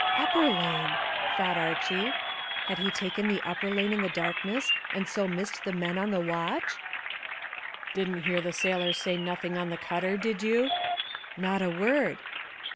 "Upper lane!" thought Archy. Had he taken the upper lane in the darkness, and so missed the men on the watch? "Didn't hear the sailors say nothing on the cutter, did you?" "Not a word."